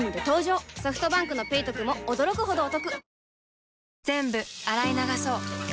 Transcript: ソフトバンクの「ペイトク」も驚くほどおトク